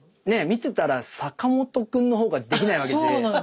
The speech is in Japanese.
見てたら坂本くんの方ができないわけで。